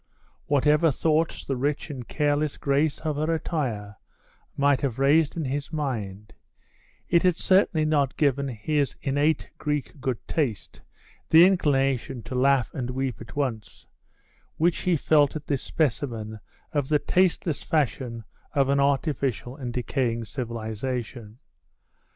Whatever thoughts the rich and careless grace of her attire might have raised in his mind, it had certainly not given his innate Greek good taste the inclination to laugh and weep at once, which he felt at this specimen of the tasteless fashion of an artificial and decaying civilisation.